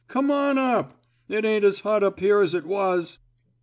Come on up. It ain't as hot up here as it was.'